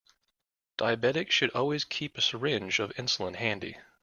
Diabetics should always keep a syringe of insulin handy.